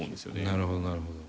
なるほどなるほど。